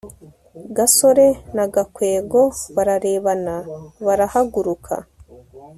gasore na gakwego bararebana barahaguruka